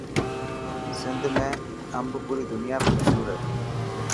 سنڌ ۾ امب پوري دنيا ۾ مشهور هي.